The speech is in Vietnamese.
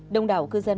đông đảo cư dân mạng